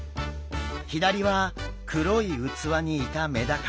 左は黒い器にいたメダカ。